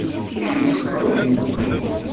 La iyi-tessemɛuǧǧutem.